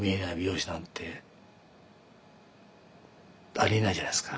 ありえないじゃないですか。